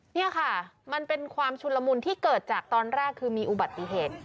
นี่ค่ะมันเป็นความชุนละมุนที่เกิดจากตอนแรกคือมีอุบัติเหตุ